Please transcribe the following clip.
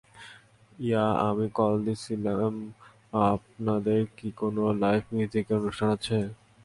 Yeah, আমি call দিছিলাম আপনাদের কি কোন লাইভ মিউজিকের অনুষ্ঠান আছে?